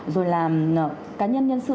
rồi là cá nhân nhân sự